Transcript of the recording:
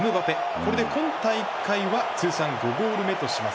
これで今大会は通算５ゴール目とします。